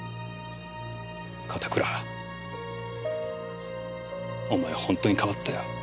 片倉お前は本当に変わったよ。